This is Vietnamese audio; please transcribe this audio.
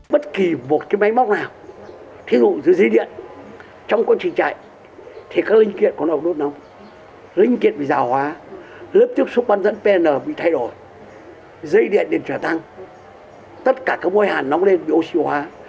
bất kỳ một máy móc nào thí dụ dưới dây điện trong quá trình chạy thì các linh kiện có nổ nốt nóng linh kiện bị rào hóa lớp tiếp xúc bắn dẫn pn bị thay đổi dây điện điện trở tăng tất cả môi hàn nóng lên bị oxy hóa